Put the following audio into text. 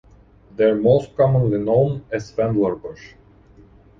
They are most commonly known as fendlerbush.